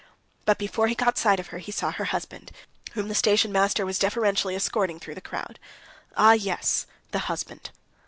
But before he caught sight of her, he saw her husband, whom the station master was deferentially escorting through the crowd. "Ah, yes! The husband."